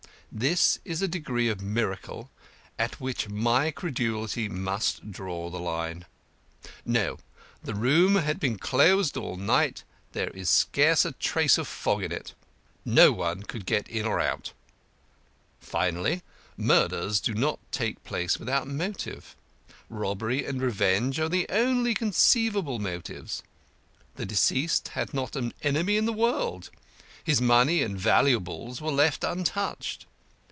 This is a degree of miracle at which my credulity must draw the line. No, the room had been closed all night there is scarce a trace of fog in it. No one could get in or out. Finally, murders do not take place without motive. Robbery and revenge are the only conceivable motives. The deceased had not an enemy in the world; his money and valuables were left untouched.